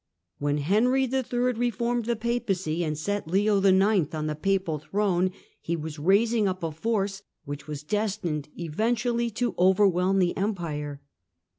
When Henry III. reformed the Papacy, and set Leo IX. on the papal throne, he was raising up a force which was destined eventually to over whelm the Empire.